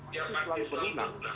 masalah klasik selalu berulang